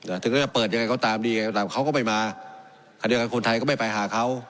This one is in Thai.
แต่ถึงจะเปิดยังไงเขาตามดียังไงตามเขาก็ไม่มาคันเดียวกับคนไทยก็ไม่ไปหาเขา